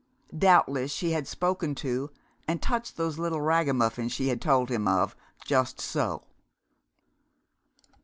Doubtless she had spoken to and touched those little ragamuffins she had told him of just so.